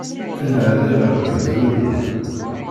Ad nɛeddi ɣer Ibetṛunen.